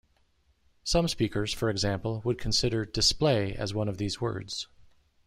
Some speakers, for example, would consider "display" as one of these words.